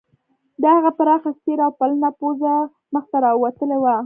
د هغه پراخه څیره او پلنه پوزه مخ ته راوتلې وه